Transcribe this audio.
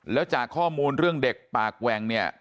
แล้วจากข้อมูลเรื่องเด็กปากแหว่งเนี่ย